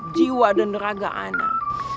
jiwa dan raga anak